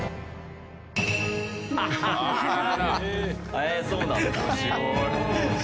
へえそうなんだ。